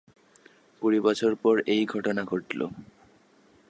কুড়ি বছর পর এই ঘটনা ঘটল।